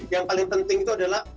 yang paling penting itu adalah